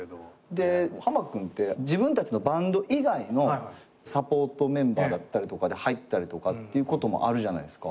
でハマ君って自分たちのバンド以外のサポートメンバーだったりとかで入ったりとかっていうこともあるじゃないですか。